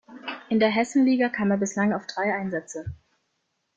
In der Hessenliga kam er bislang auf drei Einsätze.